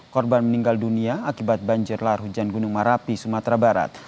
korban meninggal dunia akibat banjir lahar hujan gunung merapi sumatera barat